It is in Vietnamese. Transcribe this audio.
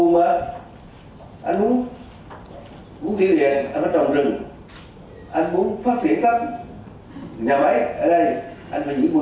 và cái lần thế thế phải là cơ hội mẫu